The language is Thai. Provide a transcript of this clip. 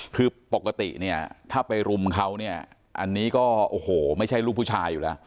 คือปกติเนี่ยถ้าไปรุมเขาเนี่ยอันนี้ก็โอ้โหไม่ใช่ลูกผู้ชายอยู่แล้ว